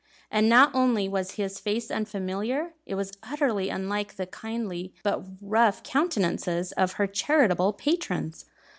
And not only was his face unfamiliar, it was utterly unlike the kindly but rough countenances of her charitable patrons.